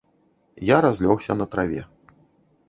Я разлёгся на траве.